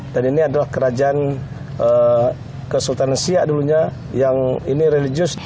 dan ini adalah kerajaan kesultanan siak dulunya yang ini religius